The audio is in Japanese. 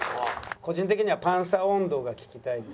「個人的には『パンサー音頭』が聴きたいです」。